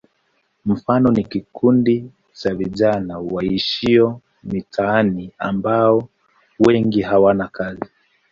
Mfano ni kikundi cha vijana waishio mitaani ambao wengi hawana kazi.